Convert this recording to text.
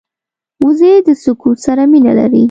وزې د سکوت سره مینه لري